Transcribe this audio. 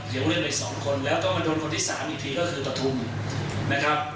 เราเหลือไปสองคนแล้วต้องมาโดนคนที่สามอีกทีก็คือประทุมนะครับ